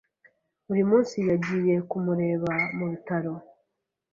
Buri munsi yagiye kumureba mu bitaro.